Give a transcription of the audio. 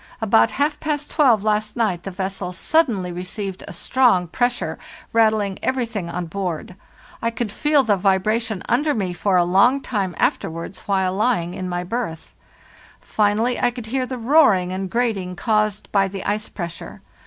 About half past twelve last night the vessel suddenly received a strong pressure, rattling everything on board. I could WE PREPARE FOR THE SLEDGE EXPEDITION 29 feel the vibration under me for a long time afterwards while lying in my berth. Finally, I could hear the roar ing and grating caused by the ice pressure.